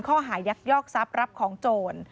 ยักยอกทรัพย์รับของโจร